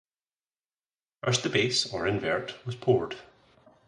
First the base, or invert, was poured.